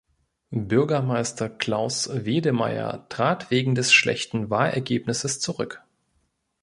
Bürgermeister Klaus Wedemeier trat wegen des schlechten Wahlergebnisses zurück.